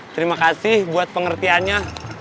terima kasih buat pengertiannya